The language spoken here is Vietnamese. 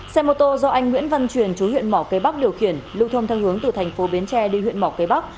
xe mô tô do anh nguyễn văn truyền chú huyện mỏ cây bắc điều khiển lưu thôn thân hướng từ thành phố biến tre đi huyện mỏ cây bắc